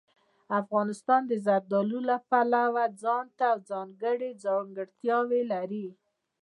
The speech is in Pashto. افغانستان د زردالو له پلوه ځانته ځانګړې ځانګړتیاوې لري.